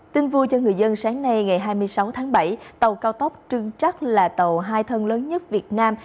tin vui cho người dân sáng nay ngày hai mươi sáu tháng bảy tàu cao tốc trưng chắc là tàu hai thân lớn nhất việt nam